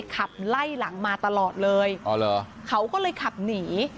ขับไล่หลังมาตลอดเลยเขาก็เลยขับหนี